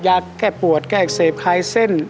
แก้ปวดแก้อักเสบคลายเส้น